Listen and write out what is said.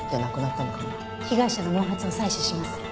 被害者の毛髪を採取します。